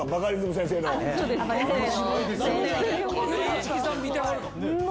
市來さん見てはるの？